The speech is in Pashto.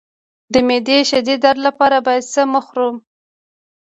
د معدې د شدید درد لپاره باید څه مه خورم؟